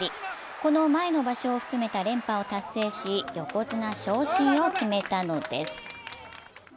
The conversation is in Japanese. この前の場所を含めた連覇を達成し横綱昇進を決めたのです。